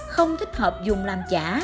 không thích hợp dùng làm chả